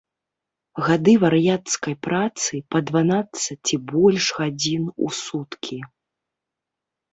Гады вар'яцкай працы па дванаццаць і больш гадзін у суткі.